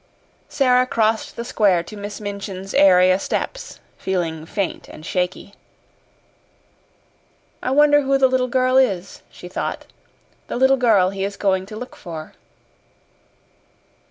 Sara crossed the square to Miss Minchin's area steps, feeling faint and shaky. "I wonder who the little girl is," she thought "the little girl he is going to look for."